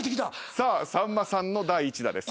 さんまさんの第１打です。